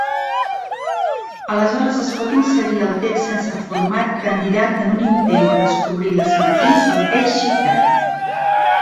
Aleshores es pot inserir el text sense format candidat en un intent de descobrir les matrius del text xifrat.